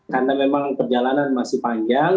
karena memang perjalanan masih panjang